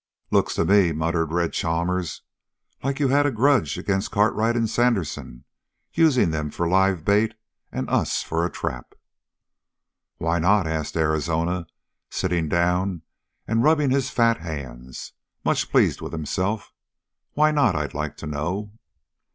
"Looks to me," muttered Red Chalmers, "like you had a grudge agin' Cartwright and Sandersen, using them for live bait and us for a trap." "Why not?" asked Arizona, sitting down and rubbing his fat hands, much pleased with himself. "Why not, I'd like to know?"